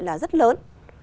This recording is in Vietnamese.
là rất lớn